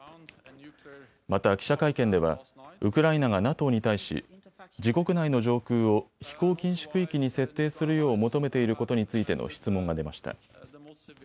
また、記者会見ではウクライナがＮＡＴＯに対し自国内の上空を飛行禁止区域に設定するよう求めていることについての質問が出ました。